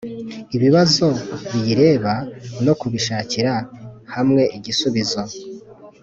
Ibibazo Biyireba No Kubishakira Hamweigisubizo